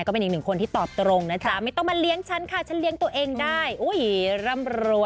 คือมีสนองให้เขาใช่ไหม